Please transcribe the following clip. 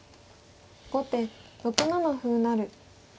後手６七歩成。